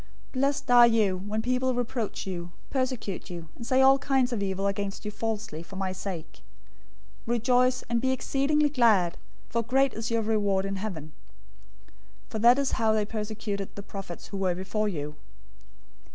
005:011 "Blessed are you when people reproach you, persecute you, and say all kinds of evil against you falsely, for my sake. 005:012 Rejoice, and be exceedingly glad, for great is your reward in heaven. For that is how they persecuted the prophets who were before you.